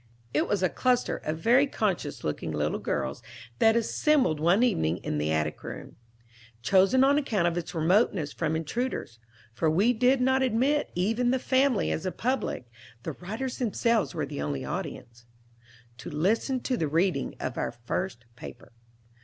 It was a cluster of very conscious looking little girls that assembled one evening in the attic room, chosen on account of its remoteness from intruders (for we did not admit even the family as a public, the writers themselves were the only audience), to listen to the reading of our first paper.